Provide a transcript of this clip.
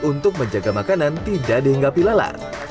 untuk menjaga makanan tidak dihinggapi lala